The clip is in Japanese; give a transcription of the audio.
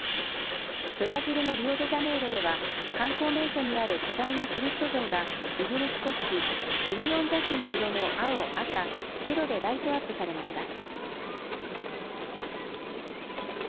ブラジルのリオデジャネイロでは観光名所にある巨大なキリスト像がイギリス国旗・ユニオンジャックの色の青、赤、白でライトアップされました。